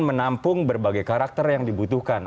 menampung berbagai karakter yang dibutuhkan